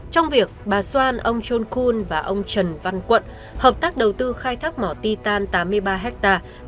trong việc bà soan ông john kuhn và ông trần văn quận hợp tác đầu tư khai thác mỏ titan tám mươi ba hectare